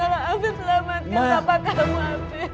tolong afif selamatkan papa kamu afif